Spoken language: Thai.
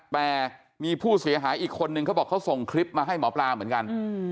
แต่มีผู้เสียหายอีกคนนึงเขาบอกเขาส่งคลิปมาให้หมอปลาเหมือนกัน